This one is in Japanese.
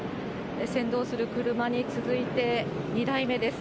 先導する車に続いて、２台目です。